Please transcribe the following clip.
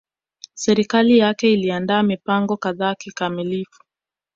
Serikali yake iliandaa mipango kadhaa kikamilifu